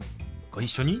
ご一緒に。